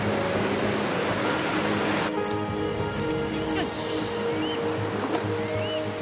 よし！